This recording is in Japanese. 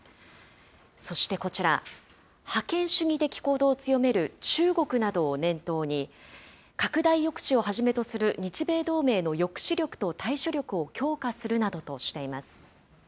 そしてこちら、覇権主義的行動を強める中国などを念頭に、拡大抑止をはじめとする日米同盟の抑止力と対処力を強化するなどとしています。